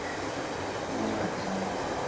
它也是阿佛罗狄忒的崇拜中心。